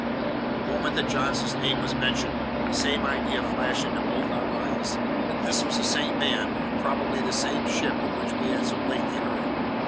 The moment that Johnson's name was mentioned, the same idea flashed into both our minds; that this was the same man, and probably the same ship, of which we had so lately heard.